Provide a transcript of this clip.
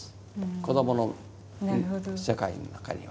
子どもの世界の中には。